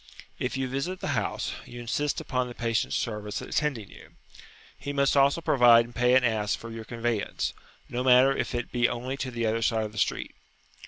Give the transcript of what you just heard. If you visit the house, you insist upon the patient's servants attending you; he must also provide and pay an ass for your conveyance, no matter if it be only to the other side of the street.